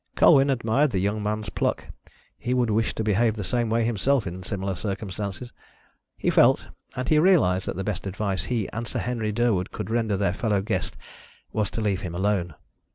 Colwyn admired the young man's pluck he would wish to behave the same way himself in similar circumstances, he felt and he realised that the best service he and Sir Henry Durwood could render their fellow guest was to leave him alone.